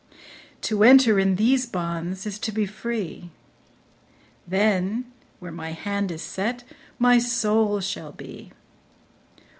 To enter in these bonds, is to be free ; Then, where my hand is set, my soul shall be.